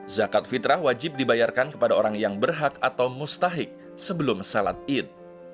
zakat fitrah wajib dibayarkan kepada orang yang berhak atau mustahik sebelum salat id